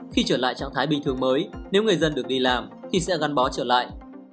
khi trở lại trạng thái bình thường mới nếu người dân được đi làm thì sẽ gắn bó trở lại